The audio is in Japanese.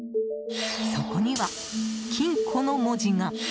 そこには「金庫」の文字が。